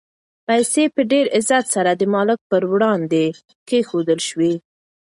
پیسې په ډېر عزت سره د مالک په وړاندې کېښودل شوې.